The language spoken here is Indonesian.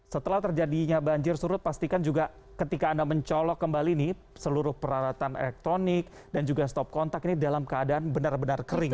setelah terjadinya banjir surut pastikan juga ketika anda mencolok kembali nih seluruh peralatan elektronik dan juga stop kontak ini dalam keadaan benar benar kering